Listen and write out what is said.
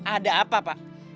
ada apa pak